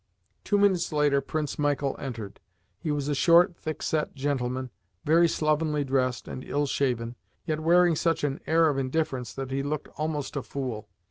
Two minutes later Prince Michael entered. He was a short, thick set gentleman, very slovenly dressed and ill shaven, yet wearing such an air of indifference that he looked almost a fool.